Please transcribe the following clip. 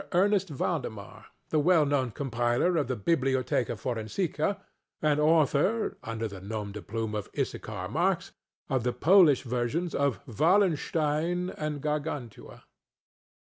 Ernest Valdemar, the well known compiler of the ŌĆ£Bibliotheca Forensica, ŌĆØ and author (under the nom de plume of Issachar Marx) of the Polish versions of ŌĆ£WallensteinŌĆØ and ŌĆ£Gargantua.